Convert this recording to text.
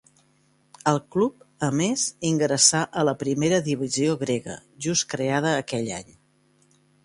El club, a més, ingressà a la primera divisió grega, just creada aquell any.